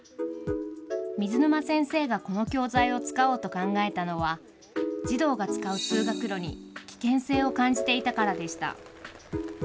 水沼先生がこの教材を使おうと考えたのは児童が使う通学路に危険性を感じていたからでした。